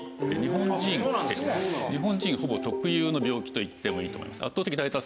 日本人ほぼ特有の病気と言ってもいいと思います。